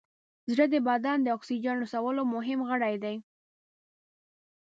زړه د بدن د اکسیجن رسولو مهم غړی دی.